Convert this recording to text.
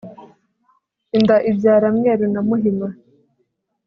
inda ibyara mweru na muhima